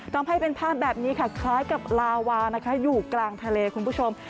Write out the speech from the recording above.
ทำให้เป็นภาพแบบนี้ค่ะคล้ายกับลาวานะคะอยู่กลางทะเลคุณผู้ชม